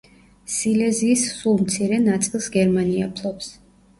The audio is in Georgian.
სილეზიის სულ მცირე ნაწილს გერმანია ფლობს.